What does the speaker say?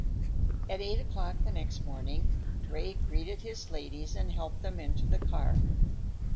At eight o'clock the next morning Ray greeted his ladies and helped them into the car.